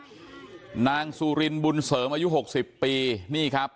แล้วก็คุยด้วยนะฮะนางซูลินบุญเสริมอายุ๖๐ปีนี่ครับ